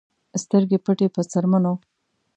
سترګې پټې په څرمنو